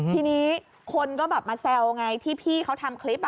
ทีนี้คนก็แบบมาแซวไงที่พี่เขาทำคลิป